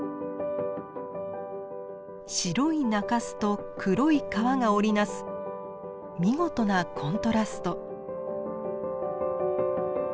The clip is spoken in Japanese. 白い中州と黒い川が織り成す見事なコントラスト。